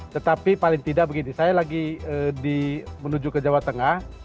tetapi paling tidak begini saya lagi menuju ke jawa tengah